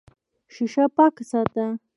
شیشه پاکه ساته.